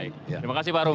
terima kasih pak rum